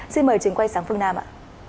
xin mời trường quay sáng phương nam ạ